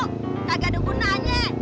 kagak ada gunanya